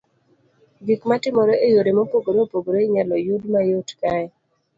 Gik ma timore e yore mopogore mopogore inyalo yud mayot kae.